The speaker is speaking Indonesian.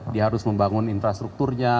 dia harus membangun infrastrukturnya